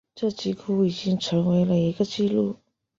这几乎已经成为了一个记录。